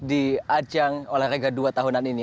di ajang olahraga dua tahunan ini